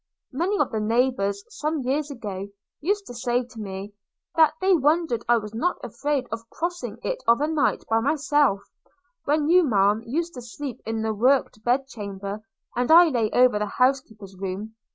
– Many of the neighbours some years ago used to say to me, that they wondered I was not afraid of crossing it of a night by myself, when you, Ma'am, used to sleep in the worked bed chamber, and I lay over the house keeper's room.